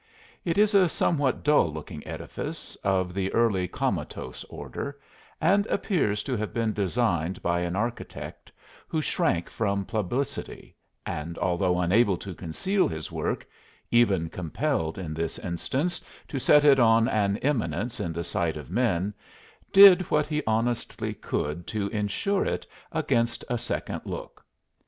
It is a somewhat dull looking edifice, of the Early Comatose order, and appears to have been designed by an architect who shrank from publicity, and although unable to conceal his work even compelled, in this instance, to set it on an eminence in the sight of men did what he honestly could to insure it against a second look.